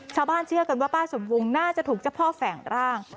เชื่อกันว่าป้าสมวงน่าจะถูกเจ้าพ่อแฝงร่าง